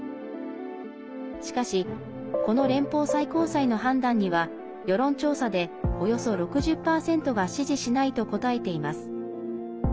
しかしこの連邦最高裁の判断には世論調査で、およそ６０％が支持しないと答えています。